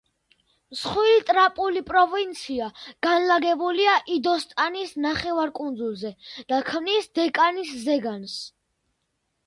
მსხვილი ტრაპული პროვინცია განლაგებულია ინდოსტანის ნახევარკუნძულზე და ქმნის დეკანის ზეგანს.